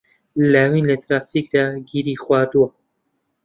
لاوین لە ترافیکدا گیری خواردووە.